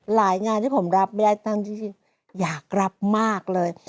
งานที่ผมรับไม่ได้ตั้งที่อยากรับมากเลย